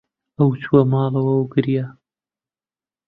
ئەو چووەوە ماڵەوە و گریا.